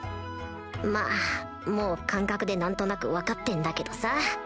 まぁもう感覚で何となく分かってんだけどさ